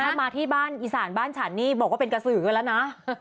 ถ้ามาที่บ้านอีสานบ้านฉันนี่บอกว่าเป็นกระสือกันแล้วนะ